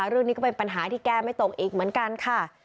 เรื่องนี้ก็เป็นปัญหาที่แก้ไม่ตกอีกเหมือนกันค่ะ